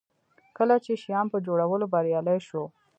کله چې شیام په جوړولو بریالی شو.